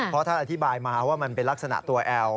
เพราะท่านอธิบายมาว่ามันเป็นลักษณะตัวแอล